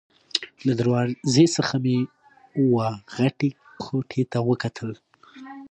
له دروازې څخه مې وه غټې کوټې ته وکتل.